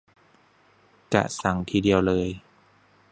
กะสั่งทีเดียวเลย